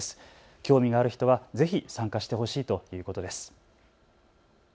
興味のある人はぜひ参加してほしいということです。